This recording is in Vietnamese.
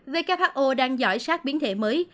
who đang dõi sát biến thể mới